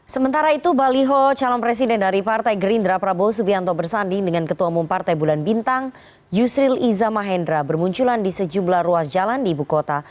sementara itu baliho calon presiden dari partai gerindra prabowo subianto bersanding dengan ketua umum partai bulan bintang yusril iza mahendra bermunculan di sejumlah ruas jalan di ibu kota